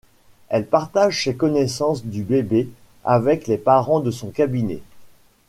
Elle partage ses connaissances du bébé avec les parents de son cabinet.